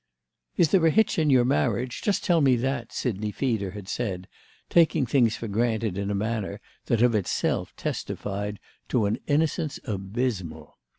"Is there a hitch in your marriage? Just tell me that," Sidney Feeder had said, taking things for granted in a manner that of itself testified to an innocence abysmal.